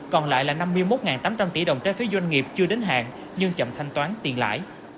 còn lại là năm mươi một tám trăm linh tỷ đồng trái phiếu doanh nghiệp chưa đến hạn nhưng chậm thanh toán tiền lãi